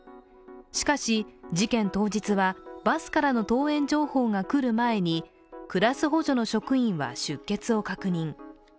しかし事件当日はバスからの登園情報がくる前にクラス補助の職員は出欠を確認。